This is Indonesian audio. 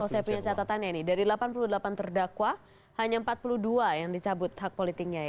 oh saya punya catatannya nih dari delapan puluh delapan terdakwa hanya empat puluh dua yang dicabut hak politiknya ya